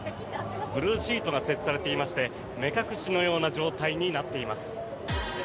ブルーシートが設置されていまして目隠しのような状態になっています。